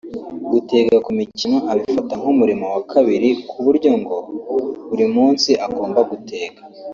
gutega ku mikino abifata nk’umurimo wa kabiri ku buryo ngo buri musi agomba gutega